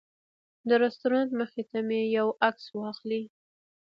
د رسټورانټ مخې ته مې یو عکس واخلي.